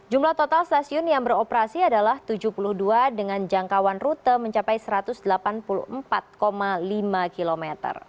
jumlah total stasiun yang beroperasi adalah tujuh puluh dua dengan jangkauan rute mencapai satu ratus delapan puluh empat lima km